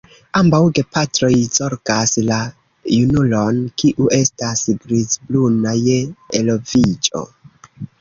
Ambaŭ gepatroj zorgas la junulon, kiu estas grizbruna je eloviĝo.